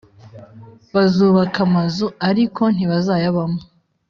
Bazubaka amazu ariko ntibazayabamo